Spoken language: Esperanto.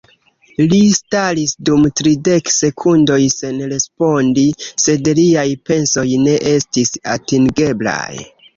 Li staris dum tridek sekundoj sen respondi, sed liaj pensoj ne estis atingeblaj.